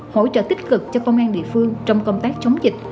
hỗ trợ tích cực cho công an địa phương trong công tác chống dịch